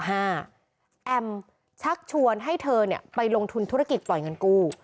แอมชักชวนให้เธอไปลงทุนธุรกิจปล่อยเงินกู้